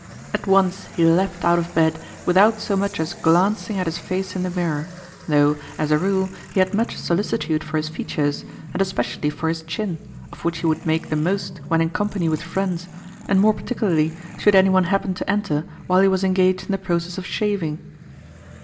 At once he leapt out of bed without so much as glancing at his face in the mirror, though, as a rule, he had much solicitude for his features, and especially for his chin, of which he would make the most when in company with friends, and more particularly should any one happen to enter while he was engaged in the process of shaving.